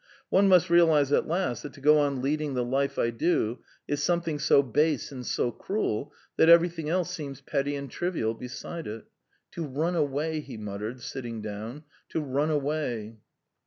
... One must realise at last that to go on leading the life I do is something so base and so cruel that everything else seems petty and trivial beside it. To run away," he muttered, sitting down, "to run away."